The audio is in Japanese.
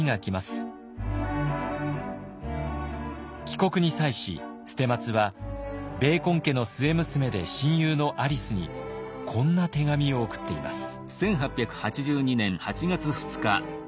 帰国に際し捨松はベーコン家の末娘で親友のアリスにこんな手紙を送っています。